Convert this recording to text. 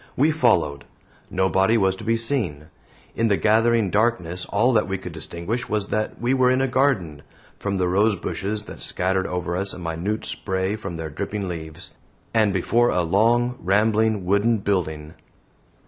We followed. Nobody was to be seen. In the gathering darkness all that we could distinguish was that we were in a garden from the rosebushes that scattered over us a minute spray from their dripping leaves and before a long, rambling wooden building.